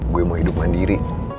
gue mau hidup mandiri